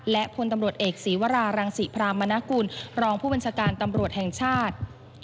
และพลตำรวจเอกศีวรารังศรีพรามณกุลรองผู้บัญชาการตำรวจแห่งชาติ